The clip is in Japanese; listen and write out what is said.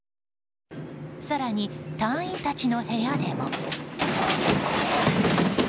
更に、隊員たちの部屋でも。